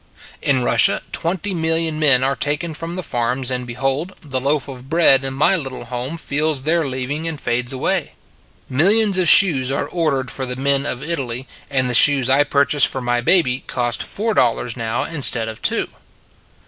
In Russia twenty million men are taken from the farms; and, behold, the loaf of bread in my little home feels their leaving and fades away. Millions of shoes are ordered for the men of Italy: and the shoes I purchase for my baby cost four dollars now instead of two.